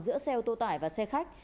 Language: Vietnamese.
giữa xe ô tô tải và xe khách